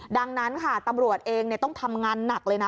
ดังนั้นค่ะตำรวจเองต้องทำงานหนักเลยนะ